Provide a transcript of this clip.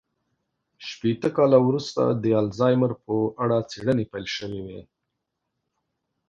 شپېته کاله وروسته د الزایمر په اړه څېړنې پيل شوې وې.